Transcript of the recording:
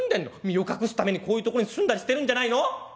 「身を隠すためにこういうとこに住んだりしてるんじゃないの？